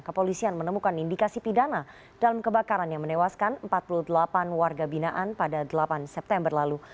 kepolisian menemukan indikasi pidana dalam kebakaran yang menewaskan empat puluh delapan warga binaan pada delapan september lalu